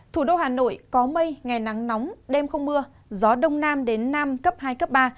thủ đô hà nội có mây ngày nắng nóng đêm không mưa gió đông nam đến nam cấp hai cấp ba